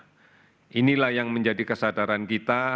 nah inilah yang menjadi kesadaran kita